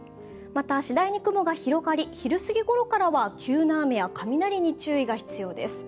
また、次第に雲が広がり、昼過ぎごろからは急な雨や雷に注意が必要です。